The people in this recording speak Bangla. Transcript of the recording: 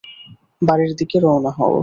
বাড়ির দিকে রওনা হও।